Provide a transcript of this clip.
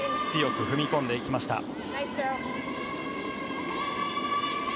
強く踏み込んでいきました。